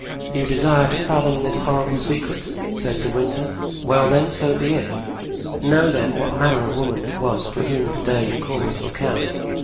"You desire to fathom this horrible secret?" said De Winter; "well, then, so be it. Know, then, what manner of woman it was for whom to day you call me to account.